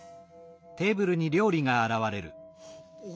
お。